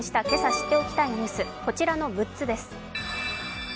今朝知っておきたいニュースこちらの６つです。